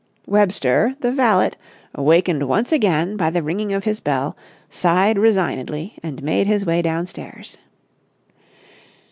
Webster, the valet, awakened once again by the ringing of his bell, sighed resignedly and made his way downstairs.